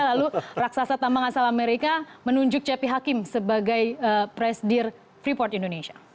lalu raksasa tambang asal amerika menunjuk cepi hakim sebagai presidir freeport indonesia